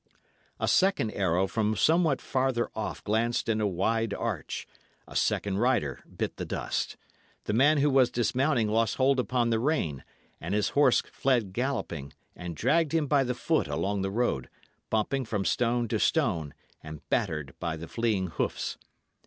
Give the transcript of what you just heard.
A second arrow from somewhat farther off glanced in a wide arch; a second rider bit the dust. The man who was dismounting lost hold upon the rein, and his horse fled galloping, and dragged him by the foot along the road, bumping from stone to stone, and battered by the fleeing hoofs.